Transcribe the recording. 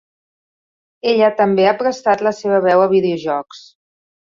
Ella també ha prestat la seva veu a videojocs.